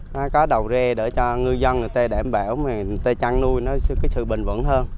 có cái đầu rê để cho ngư dân tê đẻm bẻo tê chăn nuôi có sự bình vẫn hơn